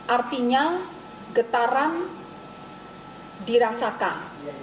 artinya getaran dirasakan